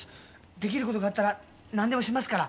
できることがあったら何でもしますから。